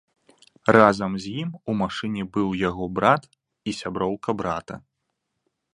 Разам з ім у машыне быў яго брат і сяброўка брата.